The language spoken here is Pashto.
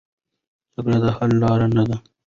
جګړه د حل لاره نه ده.